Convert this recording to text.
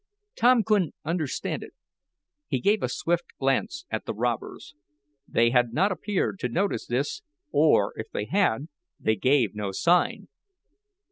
Tom couldn't understand it. He gave a swift glance at the robbers. They had not appeared to notice this, or, if they had, they gave no sign.